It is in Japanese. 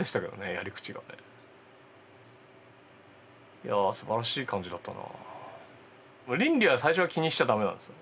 いやすばらしい感じだったな。